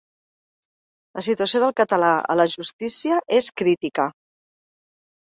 La situació del català a la justícia és crítica.